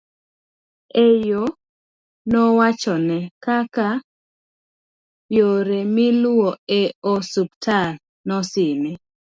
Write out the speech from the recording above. e yo nowachone kaka yore miluwo e ospital ne osine